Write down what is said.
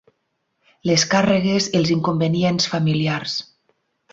Les càrregues, els inconvenients, familiars.